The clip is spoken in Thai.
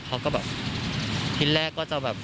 เขาก็แบบทีแรกก็จะแบบ